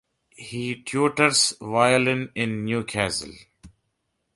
He tutors violin in Newcastle.